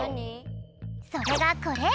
それがこれ！